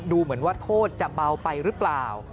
ดูเหมือนว่าโทษจะเบาไปหรือเปล่า